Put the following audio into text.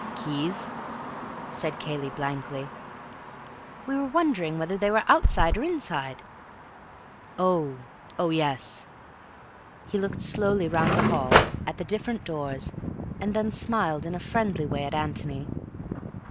"Keys?" said Cayley blankly. "We were wondering whether they were outside or inside." "Oh! oh, yes!" He looked slowly round the hall, at the different doors, and then smiled in a friendly way at Antony.